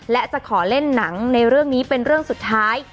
และจะขอเล่นหนังในเรื่องนี้เป็นเรื่องสุดท้าย